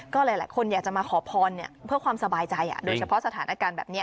ก็หลายคนอยากจะมาขอพรเพื่อความสบายใจโดยเฉพาะสถานการณ์แบบนี้